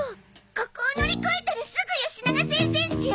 ここを乗り越えたらすぐよしなが先生ん家よ！